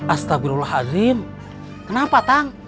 astagfirullahaladzim kenapa tang